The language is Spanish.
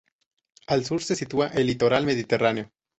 Al sur se sitúa el litoral Mediterráneo.